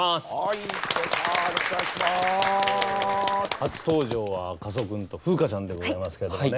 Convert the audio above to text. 初登場は赤楚君と風花ちゃんでございますけれどもね。